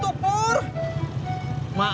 hampir aja bang